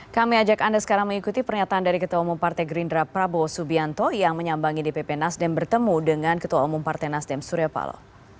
kami ajak anda sekarang mengikuti pernyataan dari ketua umum partai gerindra prabowo subianto yang menyambangi dpp nasdem bertemu dengan ketua umum partai nasdem surya palo